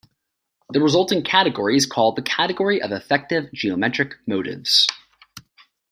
The resulting category is called the "category of effective geometric motives".